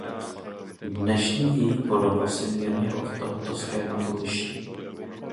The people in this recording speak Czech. Dnešní její podoba se mírně od tohoto schématu liší.